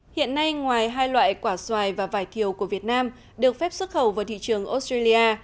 hiện nay ngoài hai loại quả xoài và vải thiều của việt nam được phép xuất khẩu vào thị trường australia